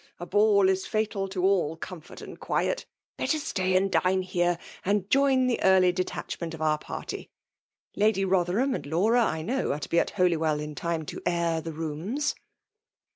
A ball ia &tal to all comfort and quiet !— ^better stay and dine here, and join the early detachment of our party 7 — ^Lady Botherham and Laura, I know, are to bo at Holywell in time, to air the rooms.